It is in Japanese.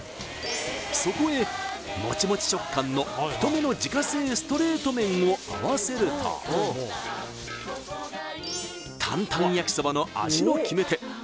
そこへモチモチ食感の太めの自家製ストレート麺を合わせると担々やきそばの味の決め手